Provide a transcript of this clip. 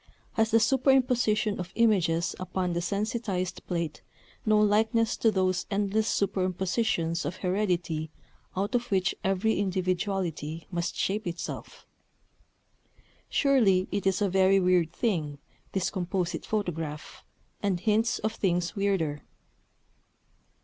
Has the superimposition of images upon the sensitized plate no likeness to those endless superimpositions of heredity out of which every individuality must shape itself?... Surely it is a very weird thing, this Composite Photograph, and hints of things weirder.